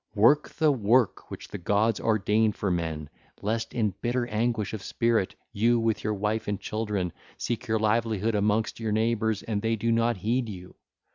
Work the work which the gods ordained for men, lest in bitter anguish of spirit you with your wife and children seek your livelihood amongst your neighbours, and they do not heed you.